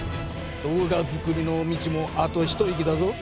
動画作りの道もあとひと息だぞ。